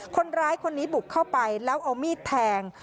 คนร้ายคนนี้บุกเข้าไปแล้วเอามีดแทง